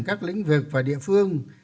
các lĩnh vực và địa phương